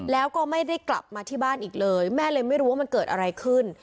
แล้วก็ไม่ได้กลับมาที่บ้านอีกเลยแม่เลยไม่รู้ว่ามันเกิดอะไรขึ้น